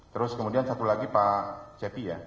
terus kemudian satu lagi pak cepi ya